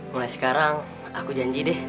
mulai sekarang aku janji deh